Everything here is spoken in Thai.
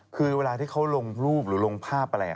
คือเวลาที่เขาลงรูปหรือลงภาพอะไร